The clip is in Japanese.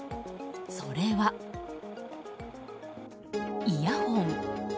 それは、イヤホン。